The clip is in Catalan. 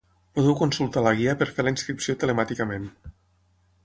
Podeu consultar la guia per fer la inscripció telemàticament.